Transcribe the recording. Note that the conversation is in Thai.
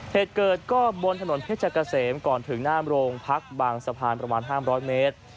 เหตุเกิดก็บนถนนเพชรเกษมก่อนถึงหน้าโรงพักบางสะพานประมาณ๕๐๐เมตร